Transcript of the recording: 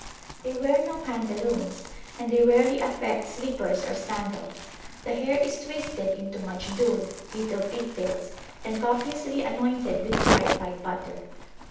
They wear no pantaloons, and they rarely affect slippers or sandals. The hair is twisted into Majdul, little pig tails, and copiously anointed with clarified butter.